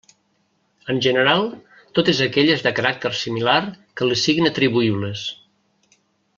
En general, totes aquelles de caràcter similar que li siguin atribuïbles.